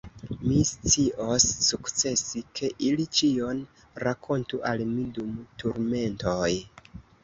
Mi scios sukcesi, ke ili ĉion rakontu al mi dum turmentoj.